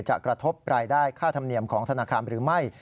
กระทบรายได้ค่าธรรมเนียมของธนาคารหรือไม่